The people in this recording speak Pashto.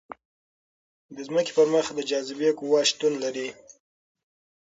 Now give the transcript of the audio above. د ځمکې پر مخ د جاذبې قوه شتون لري.